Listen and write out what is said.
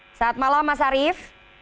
selamat malam mas arief